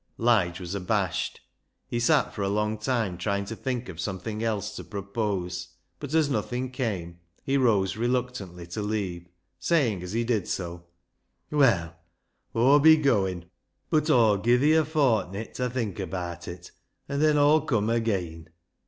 Lige was abashed. He sat for a long time trying to think of something else to propose, but as nothing came, he rose reluctantly to leave, saying, as he did so —" Well, Aw'll be goin'. But Aw'll gi' thi a fortnit ta think abaat it, and then Aw'll come ageean."